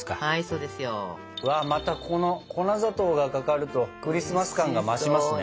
うわまたこの粉砂糖がかかるとクリスマス感が増しますね。